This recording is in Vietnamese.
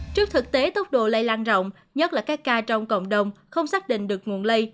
trước thực tế tốc độ lây lan rộng nhất là các ca trong cộng đồng không xác định được nguồn lây